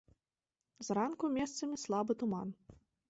Зранку месцамі слабы туман.